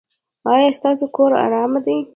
ایا ستاسو کور ارام دی؟